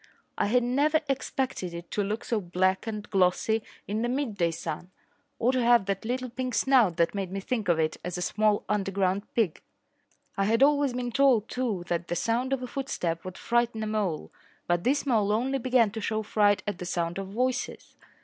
I had never expected it to look so black and glossy in the midday sun or to have that little pink snout that made me think of it as a small underground pig. I had always been told, too, that the sound of a footstep would frighten a mole, but this mole only began to show fright at the sound of voices.